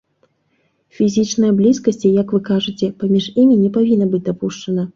Фізічнае блізкасці, як вы кажаце, паміж імі не павінна быць дапушчана.